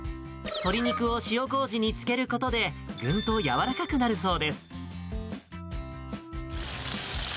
鶏肉を塩こうじに漬けることで、ぐんとやわらかくなるそうです。